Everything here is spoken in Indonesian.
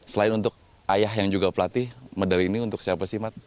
selain untuk ayah yang juga pelatih medali ini untuk siapa sih mat